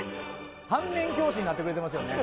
反面教師になってくれてますよね